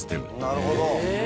なるほど。